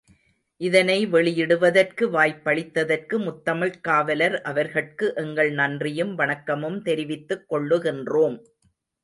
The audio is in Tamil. இதனை வெளியிடுவதற்கு வாய்ப்பளித்ததற்கு முத்தமிழ்க் காவலர் அவர்கட்கு எங்கள் நன்றியும் வணக்கமும் தெரிவித்துக் கொள்ளுகின்றோம்.